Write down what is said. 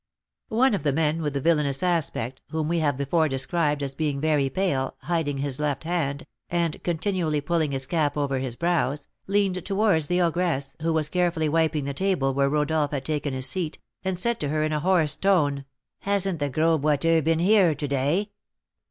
One of the men with the villainous aspect, whom we have before described as being very pale, hiding his left hand, and continually pulling his cap over his brows, leaned towards the ogress, who was carefully wiping the table where Rodolph had taken his seat, and said to her, in a hoarse tone, "Hasn't the Gros Boiteux been here to day?"